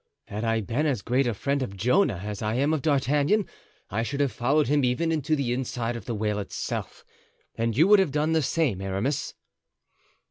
"Had I been as great a friend of Jonah as I am of D'Artagnan I should have followed him even into the inside of the whale itself; and you would have done the same, Aramis."